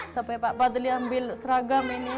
sampai pak fadli ambil seragam ini